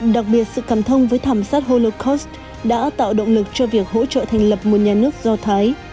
đặc biệt sự cảm thông với thảm sát holocaust đã tạo động lực cho việc hỗ trợ thành lập một nhà nước do thái